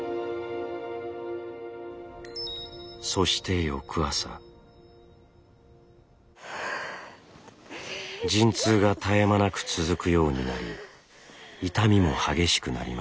そして陣痛が絶え間なく続くようになり痛みも激しくなりました。